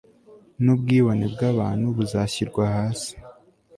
nubwibone bwabantu buzashyirwa hasi